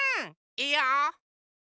いいよ！